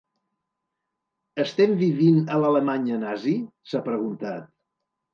Estem vivint a l’Alemanya nazi?, s’ha preguntat.